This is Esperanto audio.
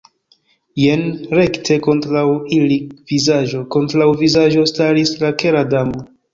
Jen, rekte kontraŭ ili, vizaĝo kontraŭ vizaĝo, staris la Kera Damo.